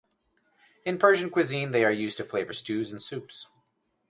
In Persian cuisine, they are used to flavor stews and soups.